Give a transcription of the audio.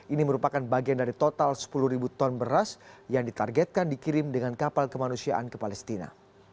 ini merupakan bagian dari total sepuluh ton beras yang ditargetkan dikirim dengan kapal kemanusiaan ke palestina